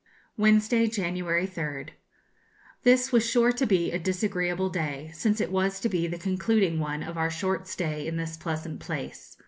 Wednesday, January 3rd. This was sure to be a disagreeable day, since it was to be the concluding one of our short stay in this pleasant place.